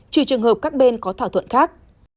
trừ trường hợp các bên có thỏa thuận khác